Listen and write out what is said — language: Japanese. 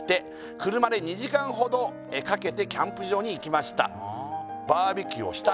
「車で２時間ほどかけてキャンプ場に行きました」「バーベキューをしたり」